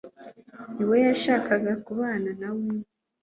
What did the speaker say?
niwe yashakaga kubana nawe